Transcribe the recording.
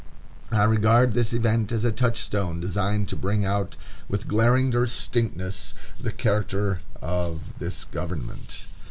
I regard this event as a touchstone designed to bring out, with glaring distinctness, the character of this government.